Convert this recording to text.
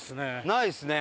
ないですね。